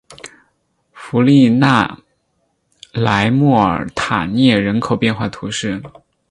弗利讷莱莫尔塔涅人口变化图示